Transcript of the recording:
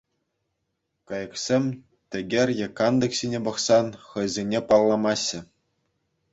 Кайӑксем тӗкӗр е кантӑк ҫине пӑхсан, хӑйсене палламаҫҫӗ.